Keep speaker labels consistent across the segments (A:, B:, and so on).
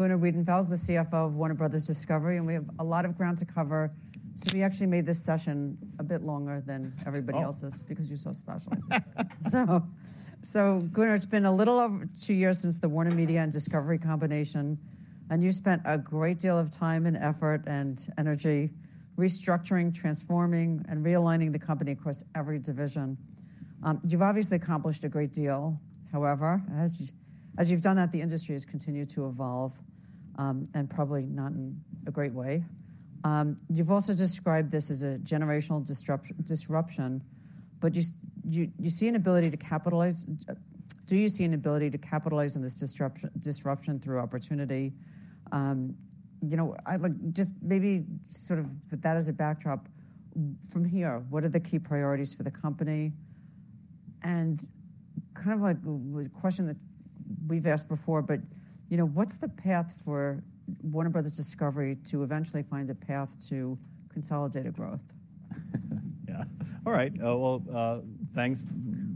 A: Gunnar Wiedenfels, the CFO of Warner Bros. Discovery, and we have a lot of ground to cover. So we actually made this session a bit longer than everybody else's.
B: Oh.
A: Because you're so special. So, Gunnar, it's been a little over two years since the WarnerMedia and Discovery combination, and you spent a great deal of time and effort and energy restructuring, transforming, and realigning the company across every division. You've obviously accomplished a great deal. However, as you've done that, the industry has continued to evolve, and probably not in a great way. You've also described this as a generational disruption, but you see an ability to capitalize. Do you see an ability to capitalize on this disruption through opportunity? You know, I'd like just maybe sort of with that as a backdrop, from here, what are the key priorities for the company? Kind of like the question that we've asked before, but, you know, what's the path for Warner Bros. Discovery to eventually find a path to consolidated growth?
B: Yeah. All right. Well, thanks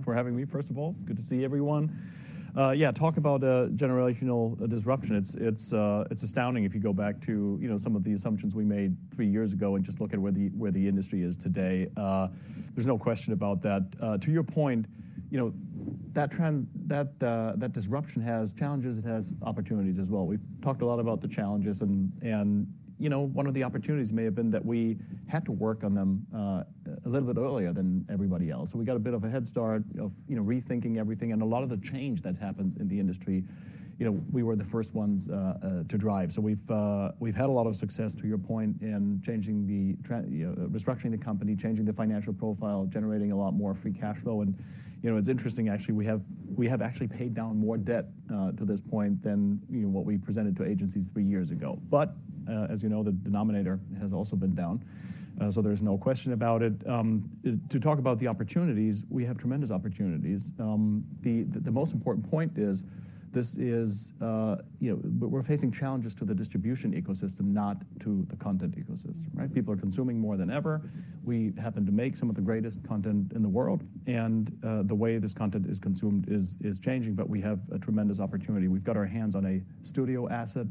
B: for having me, first of all. Good to see everyone. Yeah, talk about a generational disruption. It's astounding if you go back to, you know, some of the assumptions we made three years ago and just look at where the industry is today. There's no question about that. To your point, you know, that trend, that disruption has challenges, it has opportunities as well. We've talked a lot about the challenges and, you know, one of the opportunities may have been that we had to work on them a little bit earlier than everybody else. So we got a bit of a head start of, you know, rethinking everything, and a lot of the change that's happened in the industry, you know, we were the first ones to drive. We've had a lot of success, to your point, in changing the trend, you know, restructuring the company, changing the financial profile, generating a lot more free cash flow. You know, it's interesting, actually, we have actually paid down more debt to this point than, you know, what we presented to agencies three years ago. As you know, the denominator has also been down, so there's no question about it. To talk about the opportunities, we have tremendous opportunities. The most important point is this, you know. We're facing challenges to the distribution ecosystem, not to the content ecosystem, right? People are consuming more than ever. We happen to make some of the greatest content in the world, and the way this content is consumed is changing, but we have a tremendous opportunity. We've got our hands on a studio asset,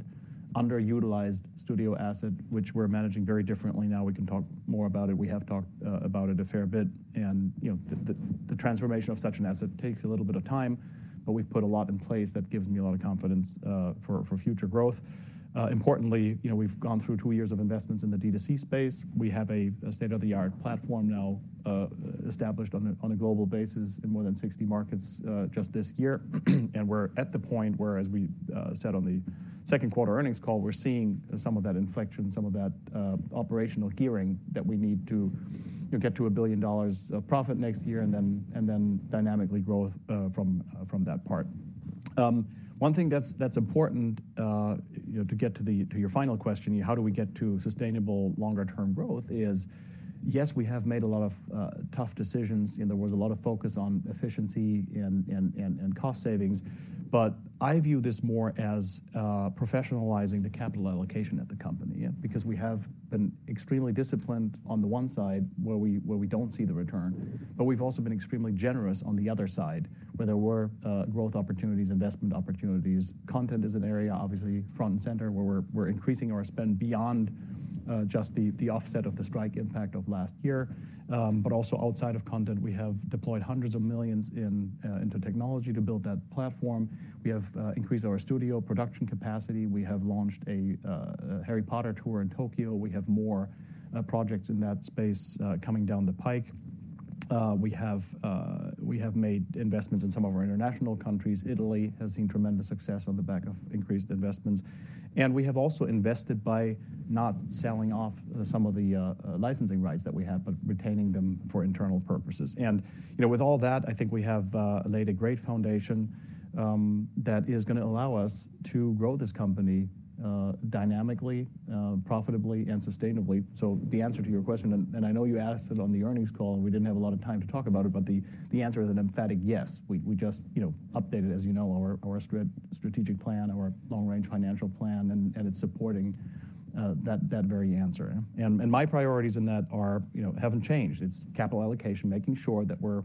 B: underutilized studio asset, which we're managing very differently now. We can talk more about it. We have talked about it a fair bit, and, you know, the transformation of such an asset takes a little bit of time, but we've put a lot in place that gives me a lot of confidence for future growth. Importantly, you know, we've gone through two years of investments in the D2C space. We have a state-of-the-art platform now, established on a global basis in more than 60 markets, just this year. And we're at the point where, as we said on the second quarter earnings call, we're seeing some of that inflection, some of that operational gearing that we need to, you know, get to $1 billion of profit next year and then dynamically grow from that part. One thing that's important, you know, to get to the, to your final question, how do we get to sustainable longer-term growth is: Yes, we have made a lot of tough decisions, and there was a lot of focus on efficiency and cost savings. But I view this more as professionalizing the capital allocation at the company. Because we have been extremely disciplined on the one side, where we don't see the return, but we've also been extremely generous on the other side, where there were growth opportunities, investment opportunities. Content is an area, obviously, front and center, where we're increasing our spend beyond just the offset of the strike impact of last year. But also outside of content, we have deployed hundreds of millions into technology to build that platform. We have increased our studio production capacity. We have launched a Harry Potter tour in Tokyo. We have more projects in that space coming down the pike. We have made investments in some of our international countries. Italy has seen tremendous success on the back of increased investments. And we have also invested by not selling off some of the licensing rights that we have, but retaining them for internal purposes. And, you know, with all that, I think we have laid a great foundation that is going to allow us to grow this company dynamically, profitably, and sustainably. So the answer to your question, and I know you asked it on the earnings call, and we didn't have a lot of time to talk about it, but the answer is an emphatic yes. We just, you know, updated, as you know, our strategic plan, our long-range financial plan, and it's supporting that very answer. And my priorities in that are, you know, haven't changed. It's capital allocation, making sure that we're,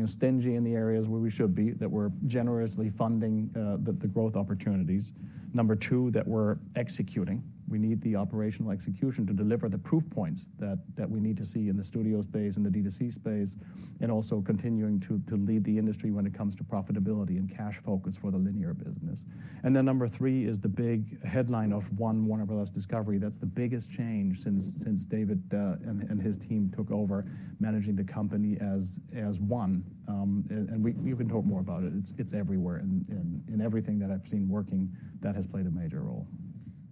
B: you know, stingy in the areas where we should be, that we're generously funding the growth opportunities. Number two, that we're executing. We need the operational execution to deliver the proof points that we need to see in the studio space, in the D2C space, and also continuing to lead the industry when it comes to profitability and cash focus for the linear business. And then number three is the big headline of One Warner Bros. Discovery. That's the biggest change since David and his team took over managing the company as one. And you can talk more about it. It's everywhere. In everything that I've seen working, that has played a major role.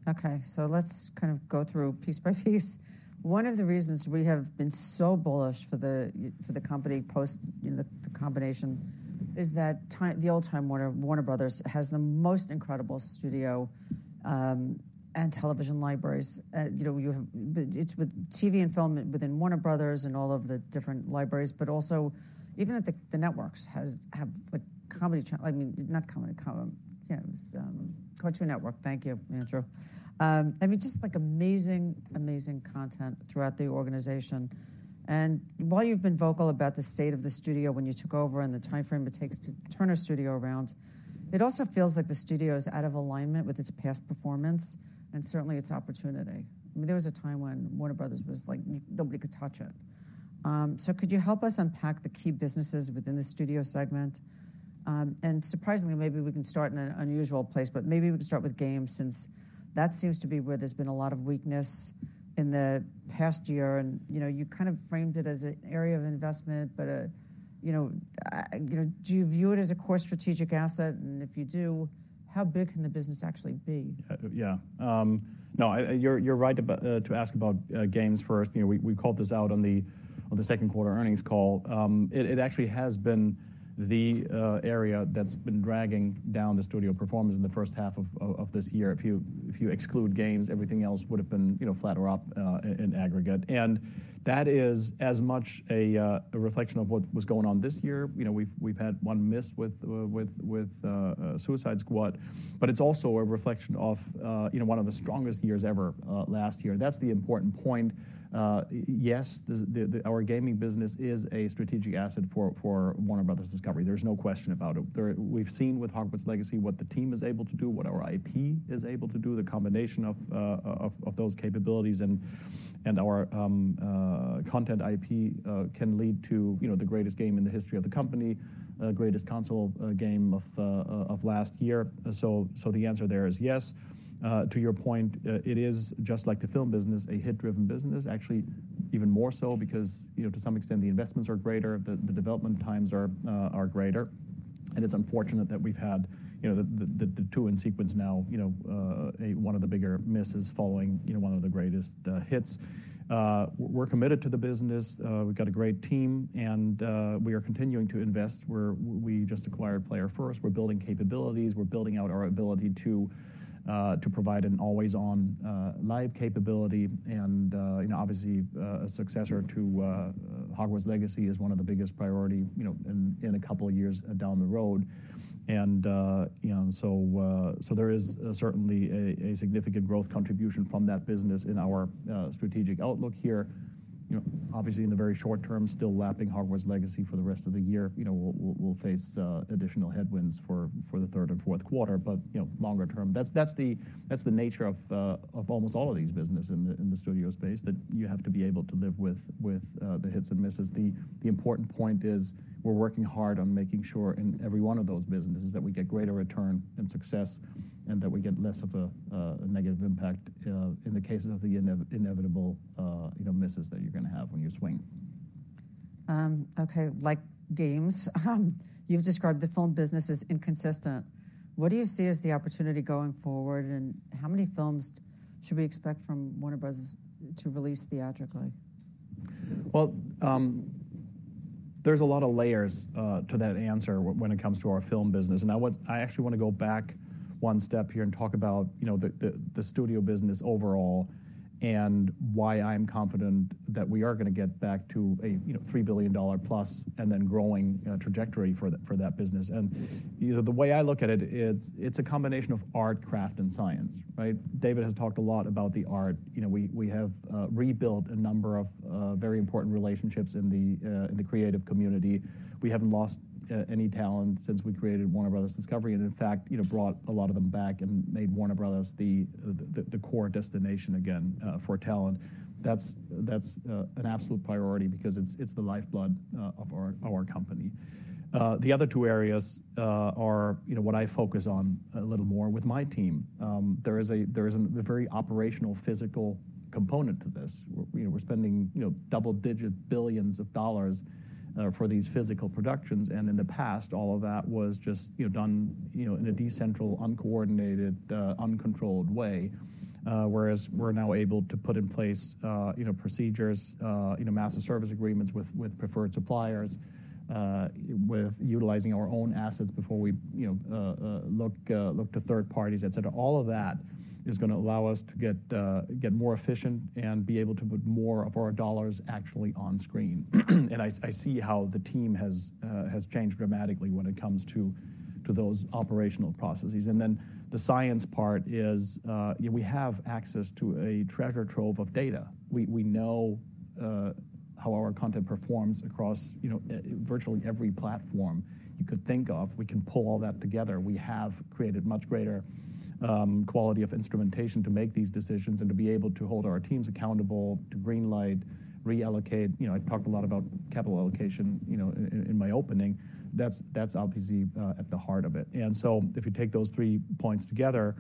A: Okay, so let's kind of go through piece by piece. One of the reasons we have been so bullish for the, for the company post, you know, the, the combination, is that Time Warner, Warner Bros. has the most incredible studio, and television libraries. You know, you have. But it's with TV and film within Warner Bros. and all of the different libraries, but also even at the, the networks has, have like, I mean, not Comedy, yeah, it was, Cartoon Network. Thank you, Andrew. I mean, just like amazing, amazing content throughout the organization. And while you've been vocal about the state of the studio when you took over and the timeframe it takes to turn a studio around. It also feels like the studio is out of alignment with its past performance and certainly its opportunity. I mean, there was a time when Warner Bros. was like, nobody could touch it. So could you help us unpack the key businesses within the studio segment? And surprisingly, maybe we can start in an unusual place, but maybe we can start with games, since that seems to be where there's been a lot of weakness in the past year, and, you know, you kind of framed it as an area of investment, but, you know, you know, do you view it as a core strategic asset? And if you do, how big can the business actually be?
B: Yeah. No, you're right about to ask about games first. You know, we called this out on the second quarter earnings call. It actually has been the area that's been dragging down the studio performance in the first half of this year. If you exclude games, everything else would have been, you know, flat or up in aggregate. And that is as much a reflection of what was going on this year. You know, we've had one miss with Suicide Squad, but it's also a reflection of, you know, one of the strongest years ever last year. That's the important point. Yes, our gaming business is a strategic asset for Warner Bros. Discovery. There's no question about it. We've seen with Hogwarts Legacy what the team is able to do, what our IP is able to do, the combination of those capabilities and our content IP can lead to, you know, the greatest game in the history of the company, greatest console game of last year. So the answer there is yes. To your point, it is just like the film business, a hit-driven business, actually, even more so because, you know, to some extent, the investments are greater, the development times are greater. And it's unfortunate that we've had, you know, the two in sequence now, you know, one of the bigger misses following, you know, one of the greatest hits. We're committed to the business, we've got a great team, and we are continuing to invest. We just acquired Player First. We're building capabilities, we're building out our ability to provide an always on live capability, and you know, obviously, a successor to Hogwarts Legacy is one of the biggest priority, you know in a couple of years down the road. And you know so there is certainly a significant growth contribution from that business in our strategic outlook here. You know, obviously, in the very short term, still lapping Hogwarts Legacy for the rest of the year, you know, we'll face additional headwinds for the third and fourth quarter, but you know, longer term. That's the nature of almost all of these businesses in the studio space, that you have to be able to live with the hits and misses. The important point is, we're working hard on making sure in every one of those businesses that we get greater return and success and that we get less of a negative impact in the cases of the inevitable, you know, misses that you're going to have when you swing.
A: Okay, like games, you've described the film business as inconsistent. What do you see as the opportunity going forward, and how many films should we expect from Warner Bros. to release theatrically?
B: There's a lot of layers to that answer when it comes to our film business. I actually want to go back one step here and talk about, you know, the studio business overall and why I'm confident that we are going to get back to a, you know, $3 billion-plus and then growing trajectory for that business. You know, the way I look at it, it's a combination of art, craft, and science, right? David has talked a lot about the art. You know, we have rebuilt a number of very important relationships in the creative community. We haven't lost any talent since we created Warner Bros. Discovery, and in fact, you know, brought a lot of them back and made Warner Bros. the core destination again for talent. That's an absolute priority because it's the lifeblood of our company. The other two areas are, you know, what I focus on a little more with my team. There is a very operational, physical component to this. We're spending, you know, double-digit billions of dollars for these physical productions, and in the past, all of that was just, you know, done in a decentralized, uncoordinated, uncontrolled way. Whereas we're now able to put in place, you know, procedures, you know, massive service agreements with preferred suppliers, with utilizing our own assets before we, you know, look to third parties, et cetera. All of that is going to allow us to get more efficient and be able to put more of our dollars actually on screen. And I see how the team has changed dramatically when it comes to those operational processes. And then the science part is, we have access to a treasure trove of data. We know how our content performs across, you know, virtually every platform you could think of. We can pull all that together. We have created much greater quality of instrumentation to make these decisions and to be able to hold our teams accountable, to greenlight, reallocate. You know, I talked a lot about capital allocation, you know, in my opening. That's obviously at the heart of it. And so if you take those three points together,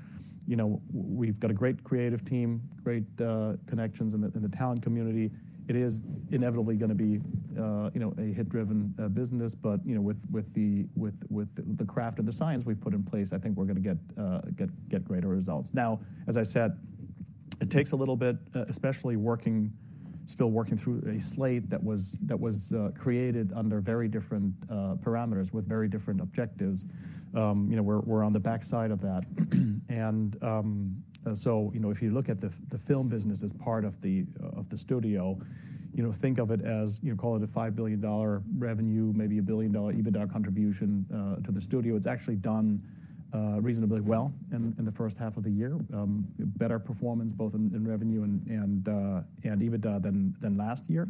B: you know, we've got a great creative team, great connections in the talent community. It is inevitably going to be, you know, a hit-driven business, but you know, with the craft and the science we've put in place, I think we're going to get greater results. Now, as I said, it takes a little bit, especially working through a slate that was created under very different parameters with very different objectives. You know, we're on the backside of that. So, you know, if you look at the film business as part of the studio, you know, think of it as, you know, call it a $5 billion revenue, maybe a $1 billion EBITDA contribution to the studio. It's actually done reasonably well in the first half of the year. Better performance both in revenue and EBITDA than last year.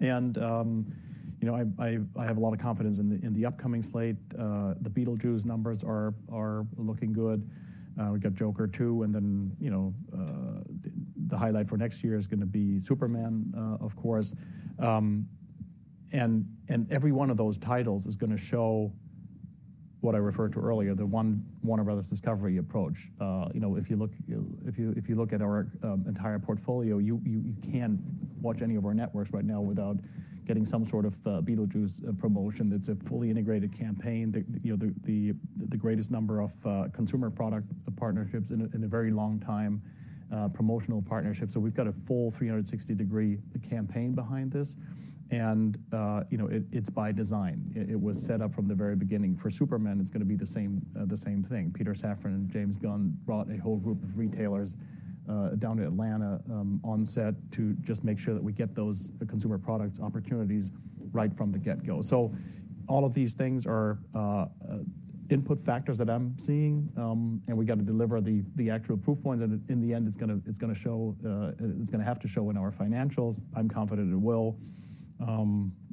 B: You know, I have a lot of confidence in the upcoming slate. The Beetlejuice numbers are looking good. We've got Joker 2, and then, you know, the highlight for next year is going to be Superman, of course. Every one of those titles is going to show what I referred to earlier, the One Warner Bros. Discovery approach. You know, if you look at our entire portfolio, you can't watch any of our networks right now without getting some sort of Beetlejuice promotion. That's a fully integrated campaign. You know, the greatest number of consumer product partnerships in a very long time, promotional partnerships. So we've got a full 360-degree campaign behind this, and you know, it's by design. It was set up from the very beginning. For Superman, it's going to be the same thing. Peter Safran and James Gunn brought a whole group of retailers down to Atlanta on set to just make sure that we get those the consumer products opportunities right from the get-go, so all of these things are input factors that I'm seeing, and we got to deliver the actual proof points, and in the end, it's going to show. It's going to have to show in our financials. I'm confident it will.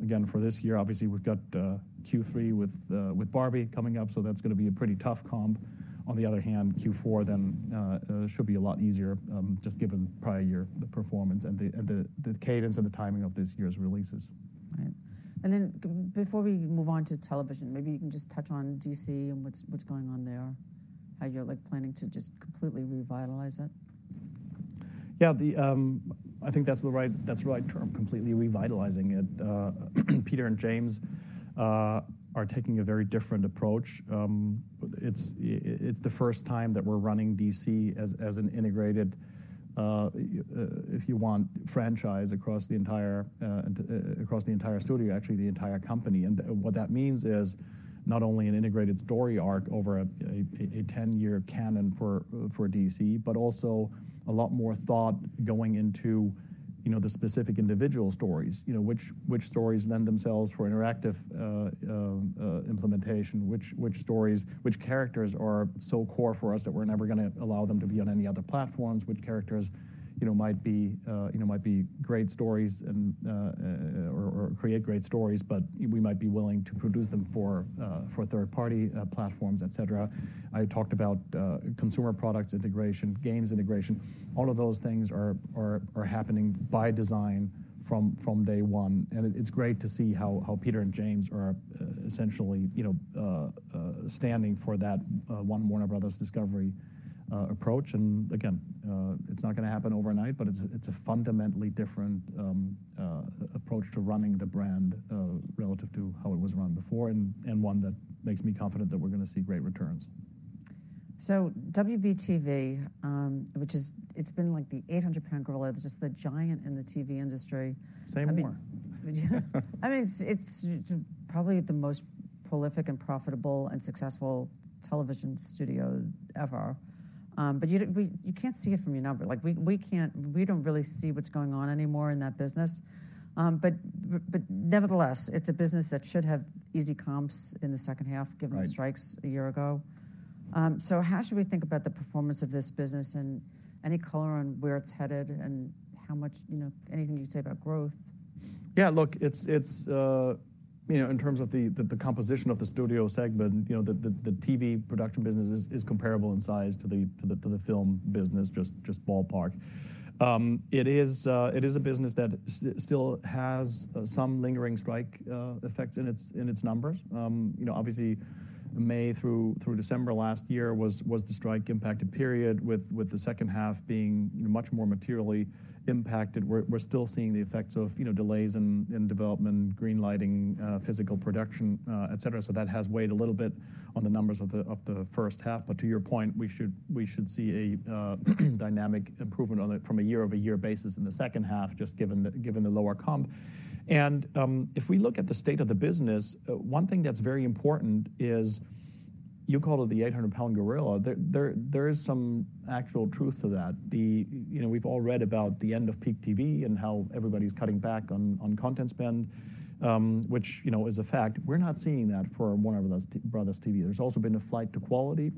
B: Again, for this year, obviously, we've got Q3 with Barbie coming up, so that's going to be a pretty tough comp. On the other hand, Q4 then should be a lot easier just given prior year the performance and the cadence and the timing of this year's releases.
A: Right. And then before we move on to television, maybe you can just touch on DC and what's going on there, how you're like planning to just completely revitalize it?
B: Yeah, I think that's the right term, completely revitalizing it. Peter and James are taking a very different approach. It's the first time that we're running DC as an integrated, if you want, franchise across the entire studio, actually, the entire company. What that means is not only an integrated story arc over a 10-year canon for DC, but also a lot more thought going into, you know, the specific individual stories. You know, which stories lend themselves for interactive implementation, which stories, which characters are so core for us that we're never going to allow them to be on any other platforms, which characters, you know, might be great stories and or create great stories, but we might be willing to produce them for third-party platforms, et cetera. I talked about consumer products integration, games integration. All of those things are happening by design from day one, and it's great to see how Peter and James are essentially, you know, standing for that One Warner Bros. Discovery approach. Again, it's not going to happen overnight, but it's a fundamentally different approach to running the brand, relative to how it was run before, and one that makes me confident that we're going to see great returns.
A: So WBTV, which is, it's been like the 800-pound gorilla, just the giant in the TV industry.
B: Say more.
A: I mean, it's probably the most prolific and profitable and successful television studio ever. But you can't see it from your number. Like, we can't-- we don't really see what's going on anymore in that business. But nevertheless, it's a business that should have easy comps in the second half-
B: Right...
A: given the strikes a year ago, so how should we think about the performance of this business, and any color on where it's headed and how much, you know, anything you can say about growth?
B: Yeah, look, it's you know, in terms of the composition of the studio segment, you know, the TV production business is comparable in size to the film business, just ballpark. It is a business that still has some lingering strike effects in its numbers. You know, obviously, May through December last year was the strike impacted period, with the second half being much more materially impacted. We're still seeing the effects of, you know, delays in development, greenlighting, physical production, et cetera. So that has weighed a little bit on the numbers of the first half. But to your point, we should see a dynamic improvement on it from a year-over-year basis in the second half, just given the lower comp. And if we look at the state of the business, one thing that's very important is, you call it the eight-hundred-pound gorilla. There is some actual truth to that. You know, we've all read about the end of peak TV and how everybody's cutting back on content spend, which, you know, is a fact. We're not seeing that for Warner Bros. TV. There's also been a flight to quality.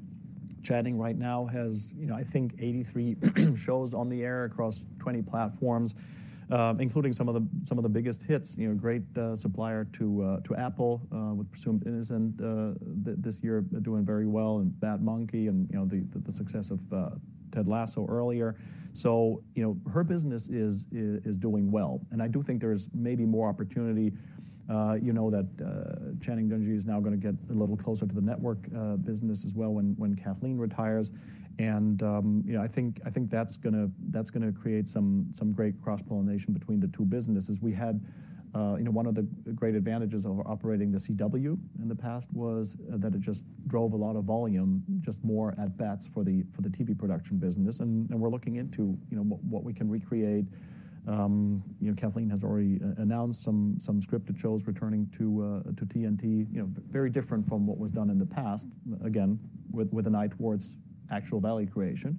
B: Channing right now has, you know, I think 83 shows on the air across 20 platforms, including some of the biggest hits, you know, great supplier to Apple, we presume, and this year, doing very well, and Bad Monkey and, you know, the success of Ted Lasso earlier. So, you know, her business is doing well, and I do think there's maybe more opportunity, you know, that Channing Dungey is now going to get a little closer to the network business as well when Kathleen retires. You know, I think that's going to create some great cross-pollination between the two businesses. We had, you know, one of the great advantages of operating the CW in the past was that it just drove a lot of volume, just more at bats for the TV production business, and we're looking into, you know, what we can recreate. You know, Kathleen has already announced some scripted shows returning to TNT. You know, very different from what was done in the past, again, with an eye towards actual value creation,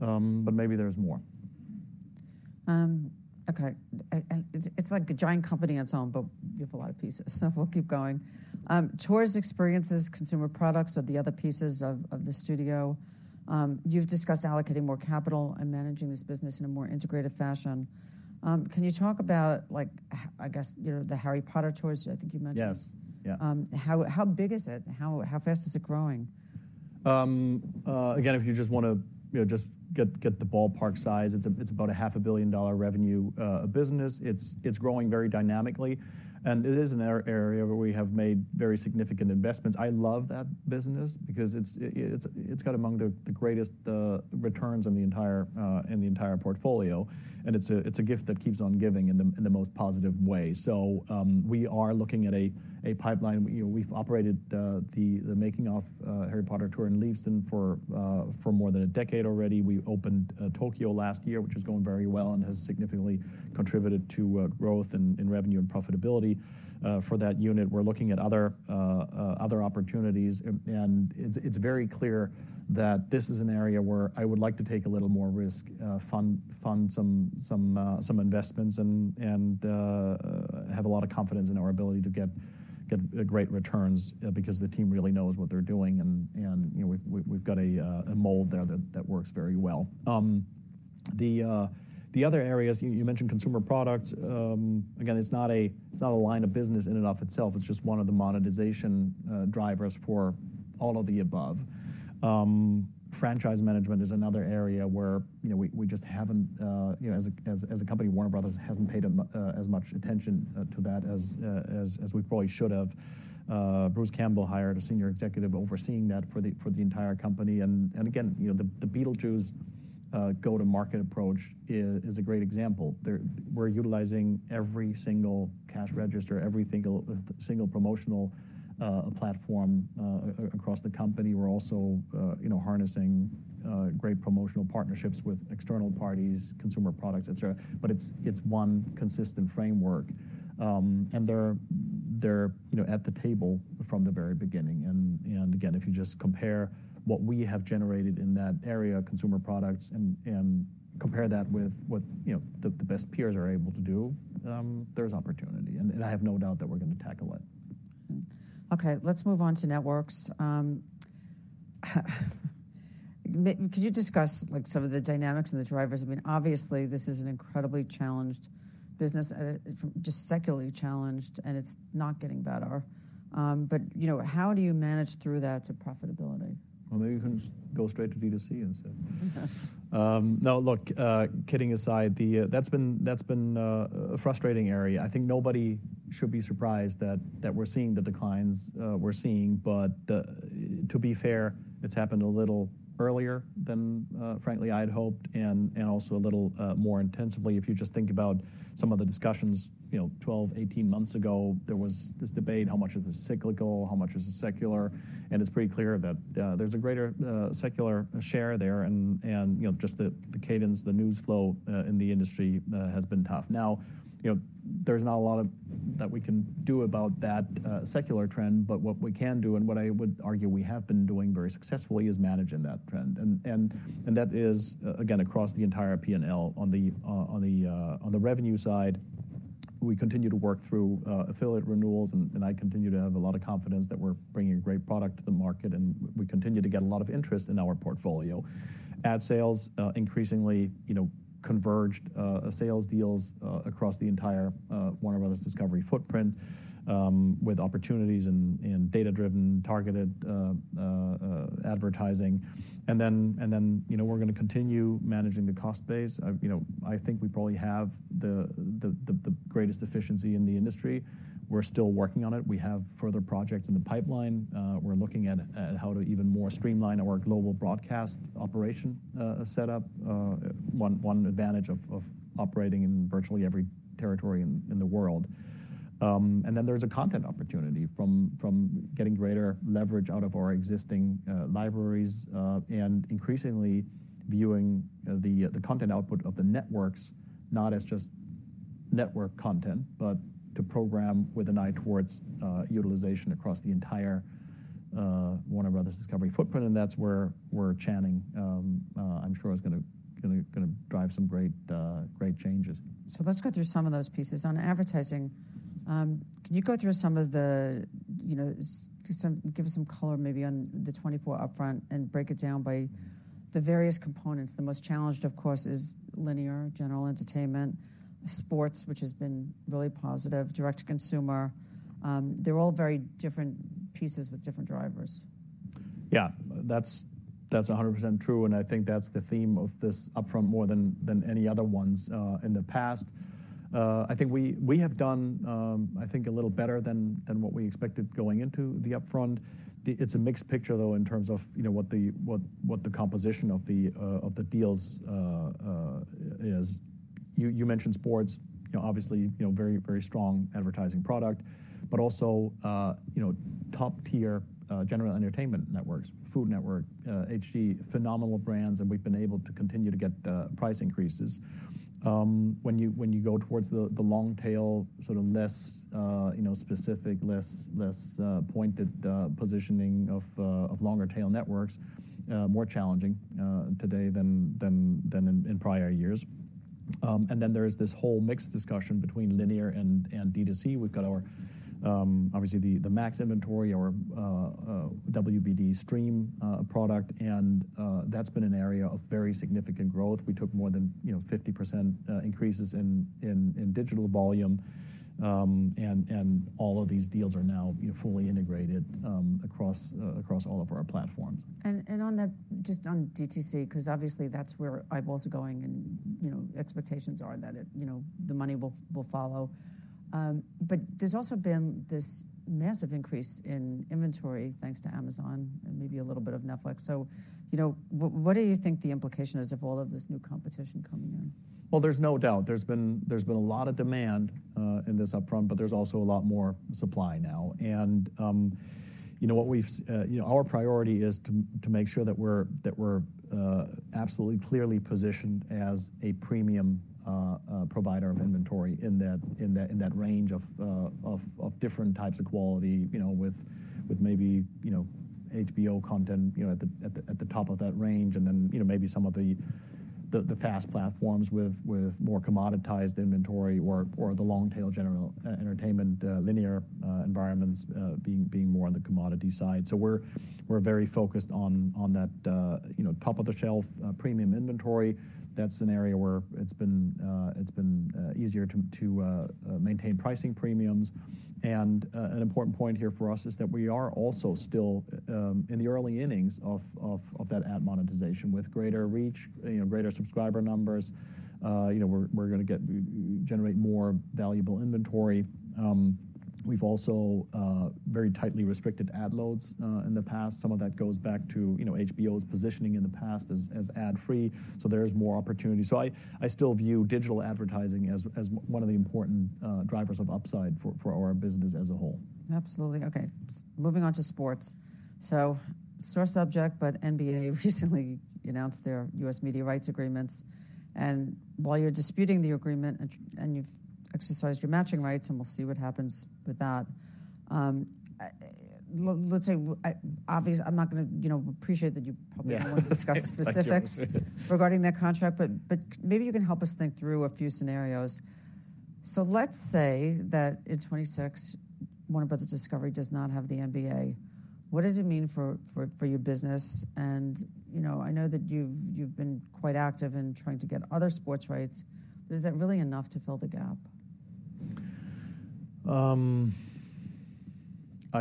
B: but maybe there's more....
A: Okay, it's like a giant company on its own, but we have a lot of pieces, so we'll keep going. Tours, experiences, consumer products are the other pieces of the studio. You've discussed allocating more capital and managing this business in a more integrated fashion. Can you talk about like, I guess, you know, the Harry Potter tours, I think you mentioned?
B: Yes. Yeah.
A: How big is it? How fast is it growing?
B: Again, if you just wanna, you know, just get the ballpark size, it's about $500 million revenue business. It's growing very dynamically, and it is an area where we have made very significant investments. I love that business because it's got among the greatest returns in the entire portfolio, and it's a gift that keeps on giving in the most positive way. So, we are looking at a pipeline. You know, we've operated the Making of Harry Potter tour in Leavesden for more than a decade already. We opened Tokyo last year, which is going very well and has significantly contributed to growth and revenue and profitability for that unit. We're looking at other opportunities, and it's very clear that this is an area where I would like to take a little more risk, fund some investments and have a lot of confidence in our ability to get great returns because the team really knows what they're doing, and you know, we've got a mold there that works very well. The other areas you mentioned consumer products. Again, it's not a line of business in and of itself. It's just one of the monetization drivers for all of the above. Franchise management is another area where, you know, we just haven't, you know, as a company, Warner Bros. hasn't paid as much attention to that as we probably should have. Bruce Campbell hired a senior executive overseeing that for the entire company, and again, you know, the Beetlejuice go-to-market approach is a great example. We're utilizing every single cash register, every single promotional platform across the company. We're also, you know, harnessing great promotional partnerships with external parties, consumer products, et cetera. But it's one consistent framework, and they're, you know, at the table from the very beginning, and again, if you just compare what we have generated in that area, consumer products, and compare that with what, you know, the best peers are able to do, there's opportunity, and I have no doubt that we're going to tackle it.
A: Okay, let's move on to networks. Could you discuss, like, some of the dynamics and the drivers? I mean, obviously, this is an incredibly challenged business, just secularly challenged, and it's not getting better. But, you know, how do you manage through that to profitability?
B: Maybe you can go straight to D2C instead. Now, look, kidding aside, that's been a frustrating area. I think nobody should be surprised that we're seeing the declines we're seeing, but the... To be fair, it's happened a little earlier than, frankly, I'd hoped, and also a little more intensively. If you just think about some of the discussions, you know, 12, 18 months ago, there was this debate, how much of this is cyclical, how much is it secular? And it's pretty clear that there's a greater secular share there, and you know, just the cadence, the news flow in the industry has been tough. Now, you know, there's not a lot that we can do about that secular trend, but what we can do and what I would argue we have been doing very successfully is managing that trend. And that is, again, across the entire P&L. On the revenue side, we continue to work through affiliate renewals, and I continue to have a lot of confidence that we're bringing great product to the market, and we continue to get a lot of interest in our portfolio. Ad sales increasingly, you know, converged sales deals across the entire Warner Bros. Discovery footprint, with opportunities in data-driven, targeted advertising. And then, you know, we're going to continue managing the cost base. You know, I think we probably have the greatest efficiency in the industry. We're still working on it. We have further projects in the pipeline. We're looking at how to even more streamline our global broadcast operation setup, one advantage of operating in virtually every territory in the world. And then there's a content opportunity from getting greater leverage out of our existing libraries, and increasingly viewing the content output of the networks, not as just network content, but to program with an eye towards utilization across the entire Warner Bros. Discovery footprint, and that's where Channing, I'm sure is going to drive some great changes.
A: So let's go through some of those pieces. On advertising, can you go through some of the, you know, Give us some color maybe on the 2024 upfront and break it down by the various components. The most challenged, of course, is linear, general entertainment, sports, which has been really positive, direct to consumer. They're all very different pieces with different drivers.
B: Yeah, that's, that's 100% true, and I think that's the theme of this upfront more than, than any other ones, in the past. I think we, we have done, I think, a little better than, than what we expected going into the upfront. It's a mixed picture, though, in terms of, you know, what the, what, what the composition of the, of the deals, is. You, you mentioned sports, you know, obviously, you know, very, very strong advertising product, but also, you know, top-tier, general entertainment networks, Food Network, HGTV, phenomenal brands, and we've been able to continue to get, price increases. When you go towards the long tail, sort of less, you know, specific, less pointed positioning of longer tail networks, more challenging today than in prior years, and then there's this whole mixed discussion between linear and DTC. We've got our, obviously, the Max inventory or WBD Stream product, and that's been an area of very significant growth. We took more than, you know, 50% increases in digital volume, and all of these deals are now fully integrated across all of our platforms.
A: On that, just on DTC, 'cause obviously, that's where eyeballs are going, and, you know, expectations are that it, you know, the money will follow. But there's also been this massive increase in inventory, thanks to Amazon and maybe a little bit of Netflix. So, you know, what do you think the implication is of all of this new competition coming in?
B: There's no doubt. There's been a lot of demand in this upfront, but there's also a lot more supply now. You know, our priority is to make sure that we're absolutely clearly positioned as a premium provider of inventory in that range of different types of quality, you know, with maybe, you know, HBO content, you know, at the top of that range, and then, you know, maybe some of the fast platforms with more commoditized inventory or the long-tail general entertainment linear environments being more on the commodity side. We're very focused on that, you know, top-of-the-shelf premium inventory. That's an area where it's been easier to maintain pricing premiums, and an important point here for us is that we are also still in the early innings of that ad monetization. With greater reach, you know, greater subscriber numbers, you know, we're going to generate more valuable inventory. We've also very tightly restricted ad loads in the past. Some of that goes back to, you know, HBO's positioning in the past as ad-free, so there's more opportunity, so I still view digital advertising as one of the important drivers of upside for our business as a whole.
A: Absolutely. Okay, moving on to sports. So sore subject, but NBA recently announced their U.S. media rights agreements, and while you're disputing the agreement and, and you've exercised your matching rights, and we'll see what happens with that, let's say, well, obvious. I'm not going to, you know, appreciate that you probably-
B: Yeah.
A: Don't want to discuss specifics.
B: Thank you.
A: Regarding that contract, but maybe you can help us think through a few scenarios. Let's say that in 2026, Warner Bros. Discovery does not have the NBA. What does it mean for your business? And, you know, I know that you've been quite active in trying to get other sports rights. But is that really enough to fill the gap?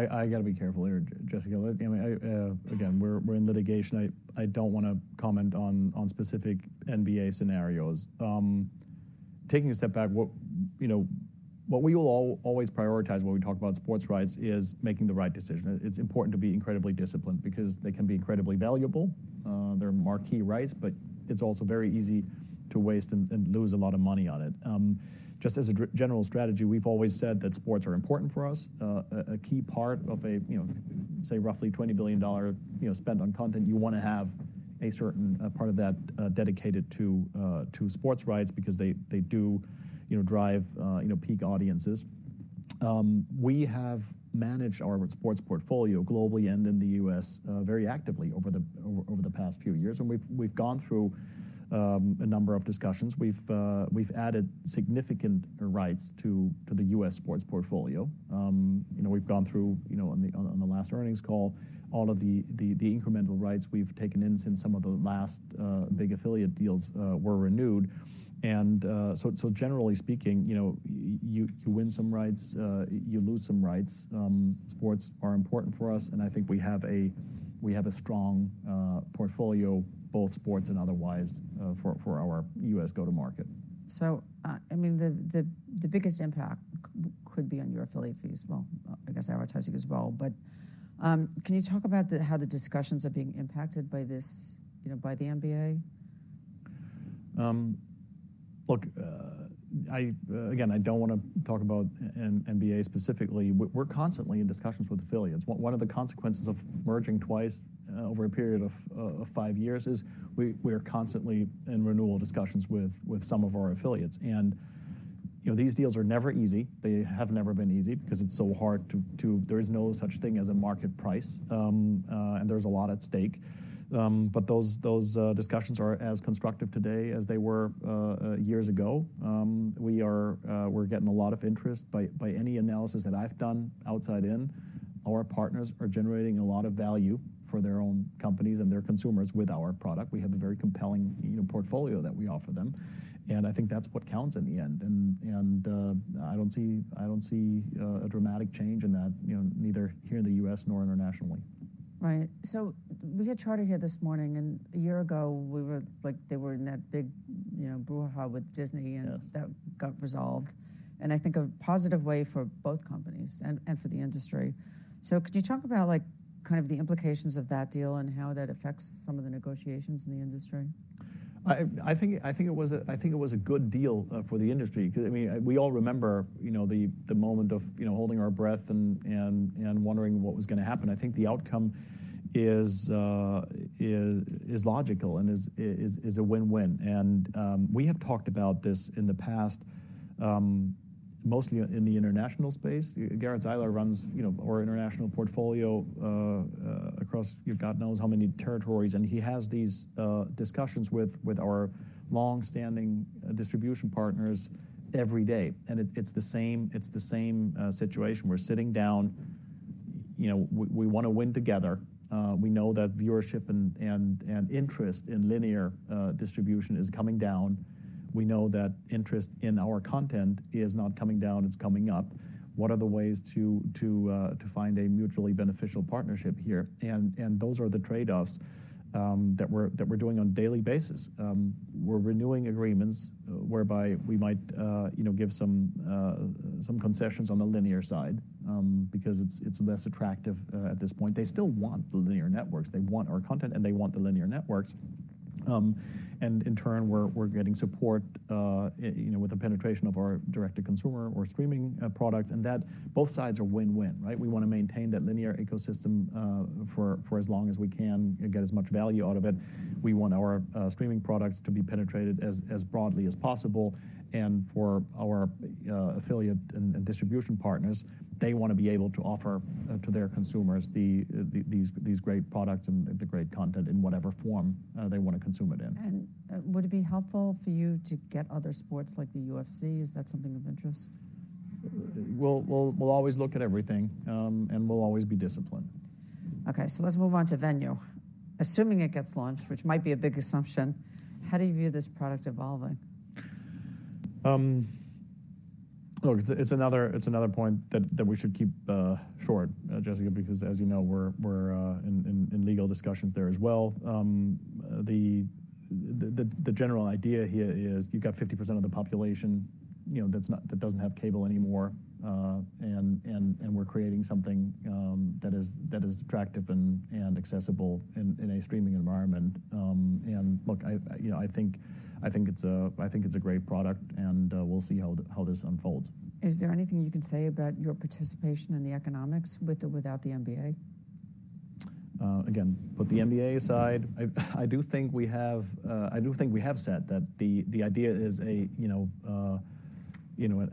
B: I gotta be careful here, Jessica. I mean, again, we're in litigation. I don't wanna comment on specific NBA scenarios. Taking a step back, what we will always prioritize when we talk about sports rights is making the right decision. It's important to be incredibly disciplined because they can be incredibly valuable. They're marquee rights, but it's also very easy to waste and lose a lot of money on it. Just as a general strategy, we've always said that sports are important for us. A key part of, you know, say, roughly $20 billion spend on content, you wanna have a certain part of that dedicated to sports rights because they do, you know, drive peak audiences. We have managed our sports portfolio globally and in the US very actively over the past few years, and we've gone through a number of discussions. We've added significant rights to the US sports portfolio. You know, we've gone through, you know, on the last earnings call, all of the incremental rights we've taken in since some of the last big affiliate deals were renewed, and so generally speaking, you know, you win some rights, you lose some rights. Sports are important for us, and I think we have a strong portfolio, both sports and otherwise, for our US go-to-market.
A: I mean, the biggest impact could be on your affiliate fees, well, I guess, advertising as well. But, can you talk about how the discussions are being impacted by this, you know, by the NBA?
B: Look, again, I don't wanna talk about NBA specifically. We're constantly in discussions with affiliates. One of the consequences of merging twice over a period of five years is we're constantly in renewal discussions with some of our affiliates, and you know, these deals are never easy. They have never been easy because it's so hard to... There is no such thing as a market price, and there's a lot at stake, but those discussions are as constructive today as they were years ago. We're getting a lot of interest. By any analysis that I've done outside in, our partners are generating a lot of value for their own companies and their consumers with our product. We have a very compelling, you know, portfolio that we offer them, and I think that's what counts in the end. I don't see a dramatic change in that, you know, neither here in the U.S. nor internationally.
A: Right. So we had Charter here this morning, and a year ago, we were like, they were in that big, you know, brouhaha with Disney-
B: Yes...
A: and that got resolved, and I think a positive way for both companies and for the industry. So could you talk about, like, kind of the implications of that deal and how that affects some of the negotiations in the industry?
B: I think it was a good deal for the industry. Because, I mean, we all remember, you know, the moment of, you know, holding our breath and wondering what was going to happen. I think the outcome is logical and is a win-win, and we have talked about this in the past, mostly in the international space. Gerhard Zeiler runs, you know, our international portfolio across God knows how many territories, and he has these discussions with our long-standing distribution partners every day, and it's the same situation. We're sitting down, you know, we wanna win together. We know that viewership and interest in linear distribution is coming down. We know that interest in our content is not coming down, it's coming up. What are the ways to find a mutually beneficial partnership here? And those are the trade-offs that we're doing on daily basis. We're renewing agreements whereby we might, you know, give some concessions on the linear side, because it's less attractive at this point. They still want the linear networks. They want our content, and they want the linear networks. And in turn, we're getting support, you know, with the penetration of our direct-to-consumer or streaming product, and that both sides are win-win, right? We wanna maintain that linear ecosystem, for as long as we can and get as much value out of it. We want our streaming products to be penetrated as broadly as possible, and for our affiliate and distribution partners, they wanna be able to offer to their consumers these great products and the great content in whatever form they want to consume it in.
A: Would it be helpful for you to get other sports like the UFC? Is that something of interest?
B: We'll always look at everything, and we'll always be disciplined.
A: Okay, so let's move on to Venu. Assuming it gets launched, which might be a big assumption, how do you view this product evolving?
B: Look, it's another point that we should keep short, Jessica, because, as you know, we're in legal discussions there as well. The general idea here is you've got 50% of the population, you know, that's not-- that doesn't have cable anymore, and we're creating something that is attractive and accessible in a streaming environment. And look, you know, I think it's a great product, and we'll see how this unfolds.
A: Is there anything you can say about your participation in the economics with or without the NBA?
B: Again, put the NBA aside, I do think we have said that the idea is, you know,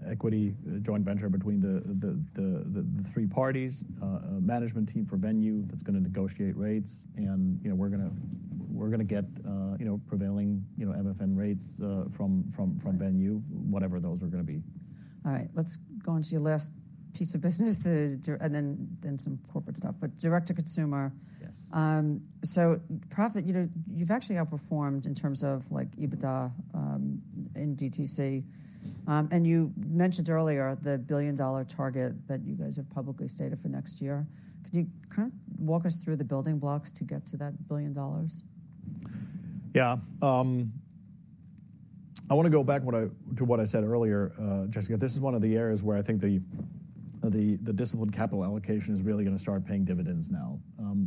B: equity joint venture between the three parties, a management team for Venu that's going to negotiate rates, and, you know, we're going to get, you know, prevailing, you know, MFN rates, from Venu... whatever those are going to be.
A: All right, let's go on to your last piece of business, and then some corporate stuff, but direct to consumer.
B: Yes.
A: Profit, you know, you've actually outperformed in terms of, like, EBITDA, in DTC. You mentioned earlier the $1 billion target that you guys have publicly stated for next year. Could you kind of walk us through the building blocks to get to that billion dollars?
B: Yeah. I wanna go back to what I said earlier, Jessica. This is one of the areas where I think the disciplined capital allocation is really going to start paying dividends now.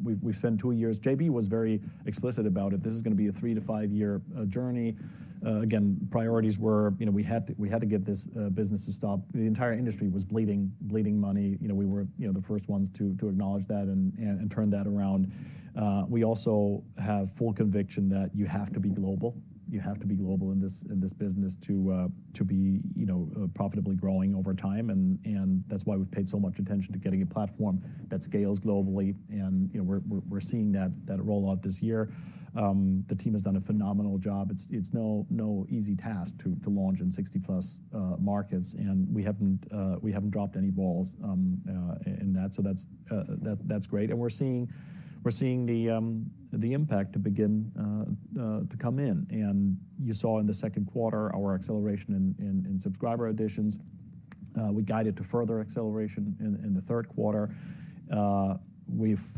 B: We've spent two years... JB was very explicit about it. This is going to be a three-to-five-year journey. Again, priorities were, you know, we had to get this business to stop. The entire industry was bleeding money. You know, we were the first ones to acknowledge that and turn that around. We also have full conviction that you have to be global. You have to be global in this business to be, you know, profitably growing over time, and that's why we've paid so much attention to getting a platform that scales globally, and, you know, we're seeing that roll-out this year. The team has done a phenomenal job. It's no easy task to launch in 60-plus markets, and we haven't dropped any balls in that. So that's great, and we're seeing the impact to begin to come in. You saw in the second quarter our acceleration in subscriber additions. We guided to further acceleration in the third quarter. We've...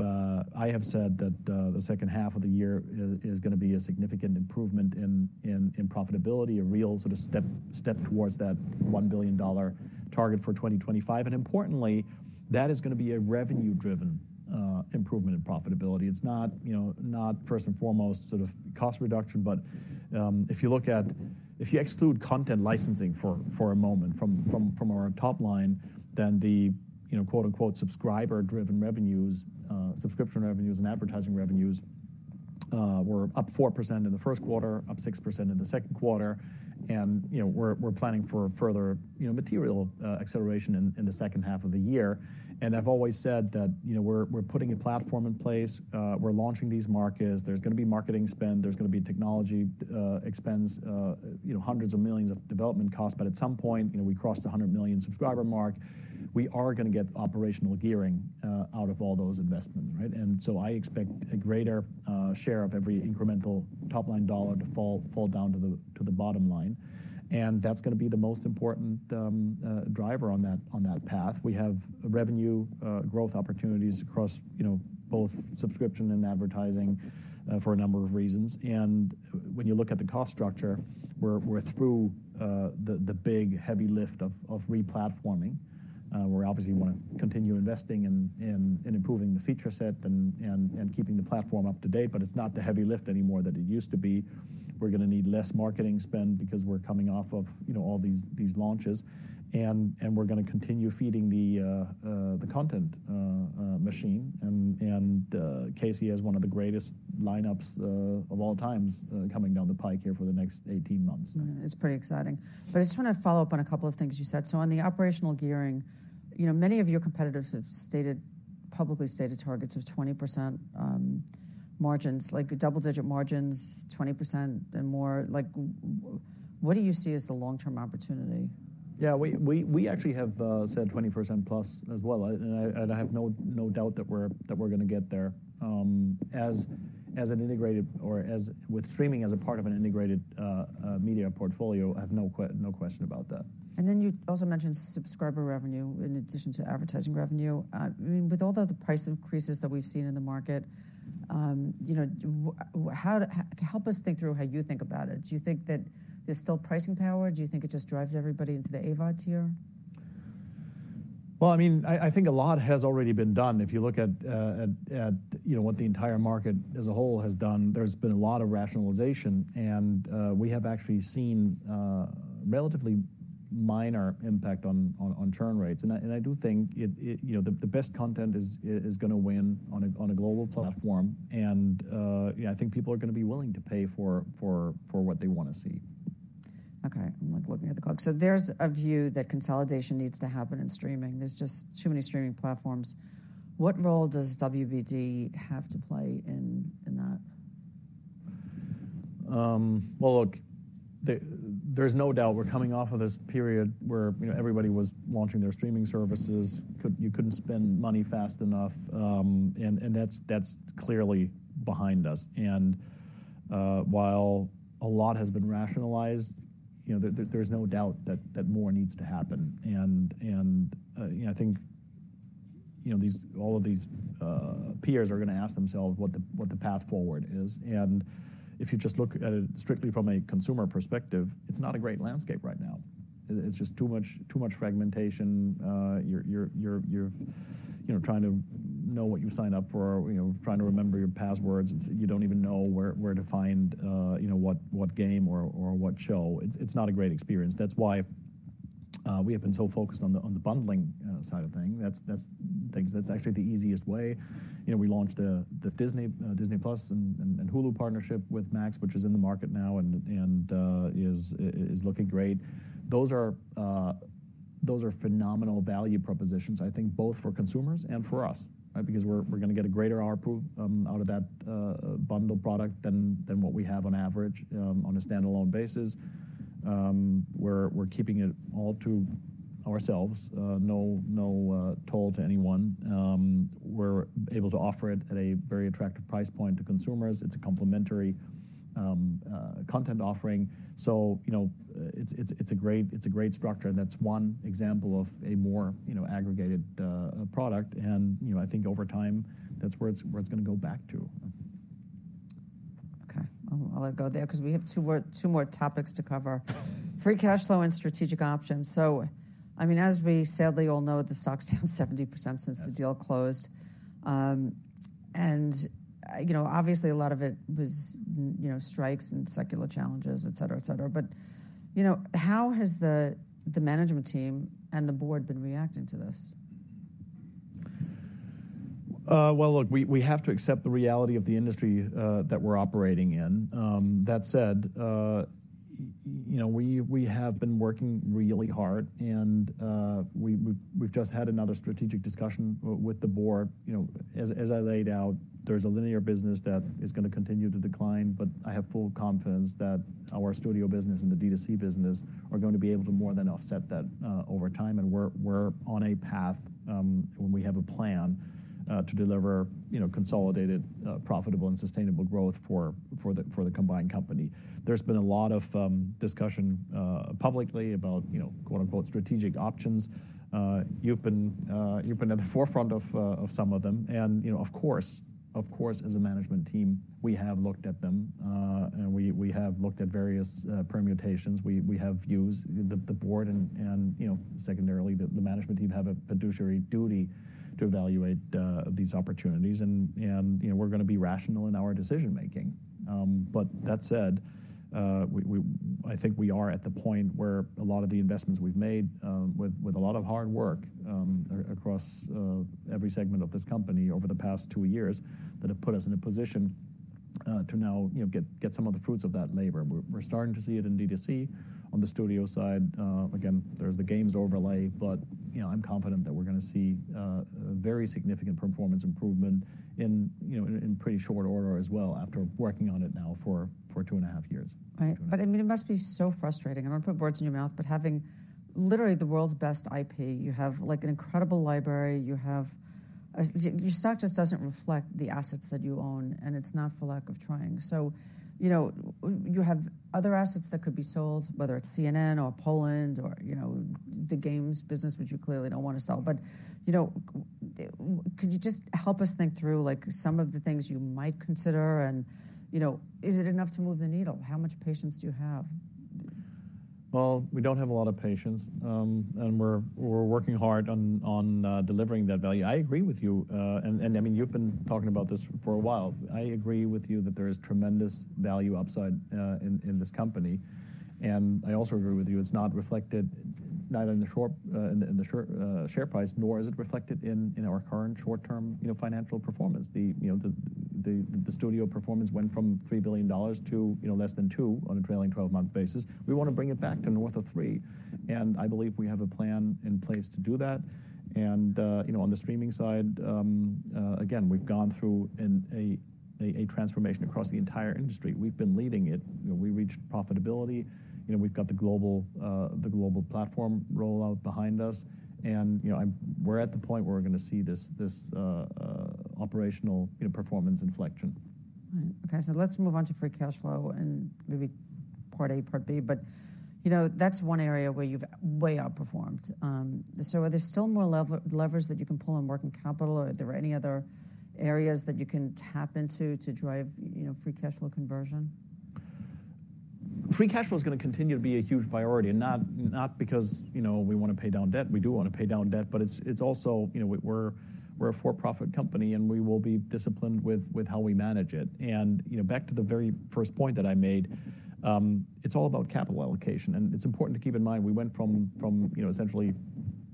B: I have said that the second half of the year is going to be a significant improvement in profitability, a real sort of step towards that $1 billion target for 2025, and importantly, that is going to be a revenue-driven improvement in profitability. It's not, you know, not first and foremost, sort of cost reduction, but if you exclude content licensing for a moment from our top line, then the, you know, "subscriber-driven revenues," subscription revenues and advertising revenues were up 4% in the first quarter, up 6% in the second quarter, and, you know, we're planning for further, you know, material acceleration in the second half of the year. I've always said that, you know, we're putting a platform in place. We're launching these markets. There's going to be marketing spend. There's going to be technology expense, you know, hundreds of millions of development costs, but at some point, you know, we crossed the 100 million subscriber mark. We are going to get operational gearing out of all those investments, right? And so I expect a greater share of every incremental top-line dollar to fall down to the bottom line, and that's going to be the most important driver on that path. We have revenue growth opportunities across, you know, both subscription and advertising for a number of reasons, and when you look at the cost structure, we're through the big heavy lift of replatforming. We obviously wanna continue investing in improving the feature set and keeping the platform up to date, but it's not the heavy lift anymore that it used to be. We're going to need less marketing spend because we're coming off of, you know, all these launches... And we're going to continue feeding the content machine. Casey has one of the greatest lineups of all times coming down the pike here for the next 18 months.
A: Yeah, it's pretty exciting. But I just want to follow up on a couple of things you said. So on the operational gearing, you know, many of your competitors have stated, publicly stated targets of 20% margins, like double-digit margins, 20% and more. Like, what do you see as the long-term opportunity?
B: Yeah, we actually have said 20% plus as well. And I have no doubt that we're going to get there. As an integrated or as with streaming, as a part of an integrated media portfolio, I have no question about that.
A: And then you also mentioned subscriber revenue in addition to advertising revenue. I mean, with all the other price increases that we've seen in the market, you know, help us think through how you think about it. Do you think that there's still pricing power, or do you think it just drives everybody into the AVOD tier?
B: Well, I mean, I think a lot has already been done. If you look at, you know, what the entire market as a whole has done, there's been a lot of rationalization, and we have actually seen relatively minor impact on churn rates. And I do think it... You know, the best content is going to win on a global platform, and yeah, I think people are going to be willing to pay for what they want to see.
A: Okay, I'm, like, looking at the clock. So there's a view that consolidation needs to happen in streaming. There's just too many streaming platforms. What role does WBD have to play in that?
B: Well, look, there's no doubt we're coming off of this period where, you know, everybody was launching their streaming services. You couldn't spend money fast enough, and that's clearly behind us. And while a lot has been rationalized, you know, there's no doubt that more needs to happen. And you know, I think you know all of these peers are going to ask themselves what the path forward is. And if you just look at it strictly from a consumer perspective, it's not a great landscape right now. It's just too much fragmentation. You're, you're, you know, trying to know what you signed up for, you know, trying to remember your passwords, and so you don't even know where to find, you know, what game or what show. It's not a great experience. That's why we have been so focused on the bundling side of things. That's actually the easiest way. You know, we launched the Disney+ and Hulu partnership with Max, which is in the market now and is looking great. Those are phenomenal value propositions, I think, both for consumers and for us, because we're going to get a greater ARPU out of that bundle product than what we have on average on a standalone basis. We're keeping it all to ourselves, no toll to anyone. We're able to offer it at a very attractive price point to consumers. It's a complimentary content offering. So, you know, it's a great structure, and that's one example of a more, you know, aggregated product. And, you know, I think over time, that's where it's going to go back to.
A: Okay, I'll let go there because we have two more topics to cover: free cash flow and strategic options, so I mean, as we sadly all know, the stock's down 70% since the deal closed, and you know, obviously a lot of it was, you know, strikes and secular challenges, et cetera, et cetera, but you know, how has the management team and the board been reacting to this?
B: Well, look, we have to accept the reality of the industry that we're operating in. That said, you know, we have been working really hard, and we've just had another strategic discussion with the board. You know, as I laid out, there's a linear business that is going to continue to decline, but I have full confidence that our studio business and the D2C business are going to be able to more than offset that over time, and we're on a path when we have a plan to deliver, you know, consolidated profitable and sustainable growth for the combined company. There's been a lot of discussion publicly about, you know, "strategic options." You've been at the forefront of some of them. You know, of course, as a management team, we have looked at them, and we have looked at various permutations. We have views. The board and, you know, secondarily, the management team have a fiduciary duty to evaluate these opportunities, and, you know, we're going to be rational in our decision making. But that said, I think we are at the point where a lot of the investments we've made, with a lot of hard work, across every segment of this company over the past two years, that have put us in a position to now, you know, get some of the fruits of that labor. We're starting to see it in D2C. On the studio side, again, there's the games overlay, but, you know, I'm confident that we're going to see very significant performance improvement in, you know, in pretty short order as well, after working on it now for two and a half years.
A: Right. But, I mean, it must be so frustrating. I don't want to put words in your mouth, but having literally the world's best IP, you have, like, an incredible library. You have... Your stock just doesn't reflect the assets that you own, and it's not for lack of trying. So, you know, you have other assets that could be sold, whether it's CNN or Poland or, you know, the games business, which you clearly don't want to sell. But, you know, could you just help us think through, like, some of the things you might consider? And, you know, is it enough to move the needle? How much patience do you have?
B: We don't have a lot of patience, and we're working hard on delivering that value. I agree with you. I mean, you've been talking about this for a while. I agree with you that there is tremendous value upside in this company, and I also agree with you, it's not reflected, not in the short share price, nor is it reflected in our current short-term, you know, financial performance. The studio performance went from $3 billion to, you know, less than $2 billion on a trailing twelve-month basis. We want to bring it back to north of $3 billion, and I believe we have a plan in place to do that. You know, on the streaming side, again, we've gone through a transformation across the entire industry. We've been leading it. You know, we reached profitability. You know, we've got the global platform rollout behind us, and, you know, we're at the point where we're going to see this operational performance inflection.
A: Right. Okay, so let's move on to free cash flow and maybe part A, part B, but, you know, that's one area where you've way outperformed. So are there still more levers that you can pull on working capital, or are there any other areas that you can tap into to drive, you know, free cash flow conversion?
B: Free cash flow is going to continue to be a huge priority, and not, not because, you know, we wanna pay down debt. We do wanna pay down debt, but it's, it's also, you know, we're, we're a for-profit company, and we will be disciplined with, with how we manage it. And, you know, back to the very first point that I made, it's all about capital allocation, and it's important to keep in mind we went from, from, you know, essentially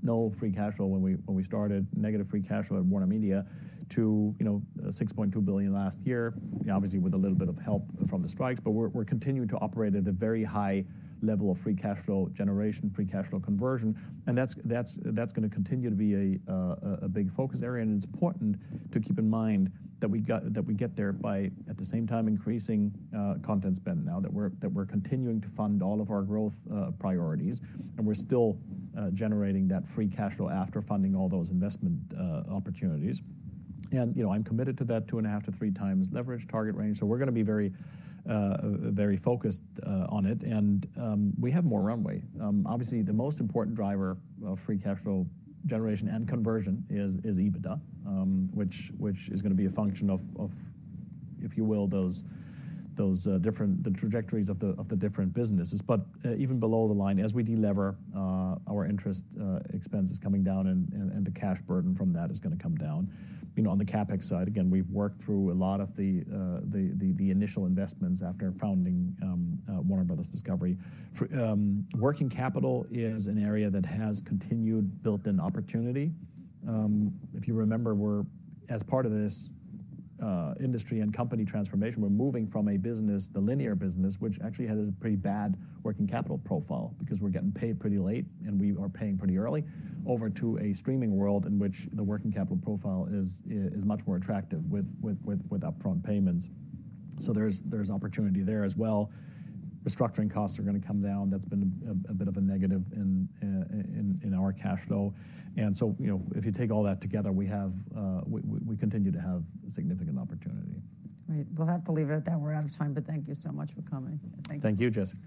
B: no free cash flow when we, when we started, negative free cash flow at WarnerMedia, to, you know, $6.2 billion last year, obviously with a little bit of help from the strikes. But we're continuing to operate at a very high level of free cash flow generation, free cash flow conversion, and that's going to continue to be a big focus area. And it's important to keep in mind that we get there by, at the same time, increasing content spend now, that we're continuing to fund all of our growth priorities, and we're still generating that free cash flow after funding all those investment opportunities. And, you know, I'm committed to that two and a half to three times leverage target range, so we're going to be very focused on it, and we have more runway. Obviously, the most important driver of free cash flow generation and conversion is EBITDA, which is going to be a function of, if you will, those different... the trajectories of the different businesses. But even below the line, as we de-lever our interest expenses coming down and the cash burden from that is going to come down. You know, on the CapEx side, again, we've worked through a lot of the initial investments after founding Warner Bros. Discovery. Working capital is an area that has continued built-in opportunity. If you remember, we're, as part of this, industry and company transformation, we're moving from a business, the linear business, which actually had a pretty bad working capital profile, because we're getting paid pretty late, and we are paying pretty early, over to a streaming world, in which the working capital profile is much more attractive with upfront payments. So there's opportunity there as well. Restructuring costs are going to come down. That's been a bit of a negative in our cash flow. And so, you know, if you take all that together, we continue to have significant opportunity.
A: Right. We'll have to leave it at that. We're out of time, but thank you so much for coming. Thank you.
B: Thank you, Jessica.